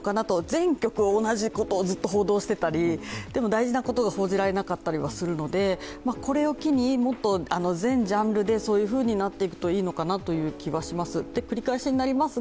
全局同じことをずっと報道していたりでも大事なことが報道されていなかったりするのでこれを機に、もっと全ジャンルでそうなっていくといいのかなと思います。